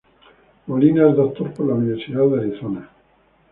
Molina es Doctor por la Universidad de Arizona.